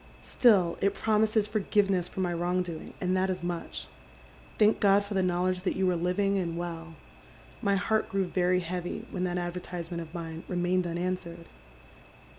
Still it promises forgiveness for my wrong doing, and that is much. Thank God for the knowledge that you are living and well. My heart grew very heavy when that advertisement of mine remained unanswered.